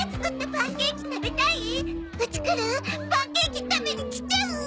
パンケーキ食べに来ちゃう？